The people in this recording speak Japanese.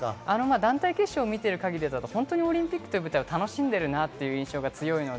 団体決勝を見ていると、オリンピックという舞台を楽しんでいるなという印象があります。